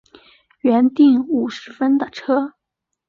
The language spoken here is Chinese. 原订五十分的车